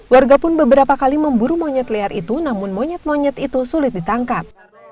warga pun beberapa kali memburu monyet liar itu namun monyet monyet itu sulit ditangkap